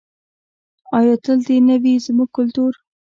آیا تل دې نه وي زموږ کلتور؟